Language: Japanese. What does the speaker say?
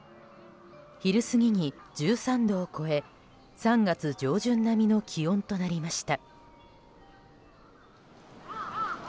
昼過ぎに１３度を超え３月上旬並みの気温となりました。